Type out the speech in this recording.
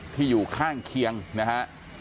อยู่ข้างเคียงนะฮะ